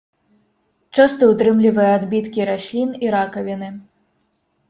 Часта ўтрымлівае адбіткі раслін і ракавіны.